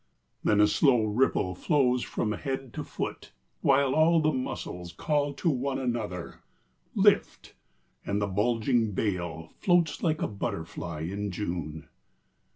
Then a slow ripple flows along the body, While all the muscles call to one another :" Lift !" and the bulging bale Floats like a butterfly in June.